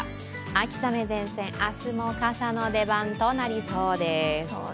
秋雨前線、明日も傘の出番となりそうです。